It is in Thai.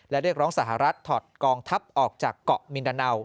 และเรียกร้องสหรัฐถอดกองทัพออกจากเกาะมินดาเนา